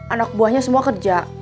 anak buahnya semua kerja